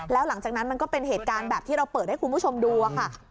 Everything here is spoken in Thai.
แล้วหลังจากนั้นมันก็เป็นเหตุการณ์แบบที่เราเปิดให้คุณผู้ชมดูค่ะ